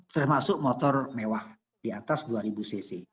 termasuk motor mewah di atas dua ribu cc